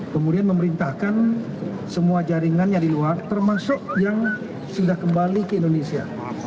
kemudian memerintahkan semua jaringannya di luar termasuk yang sudah kembali ke indonesia